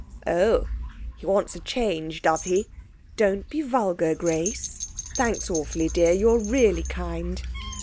'Oh! He wants a change, does he?' 'Don't be vulgar, Grace. Thanks awfully, dear. You're really kind.'